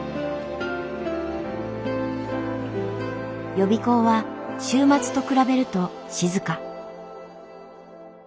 予備校は週末と比べると静か。